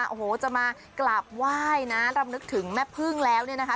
โอ้โหจะมากราบไหว้นะรำลึกถึงแม่พึ่งแล้วเนี่ยนะคะ